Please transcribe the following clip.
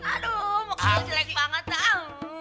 aduh maksudnya jelek banget tau